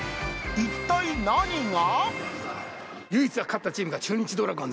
一体何が？